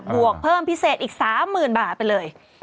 วกเพิ่มพิเศษอีก๓๐๐๐บาทไปเลย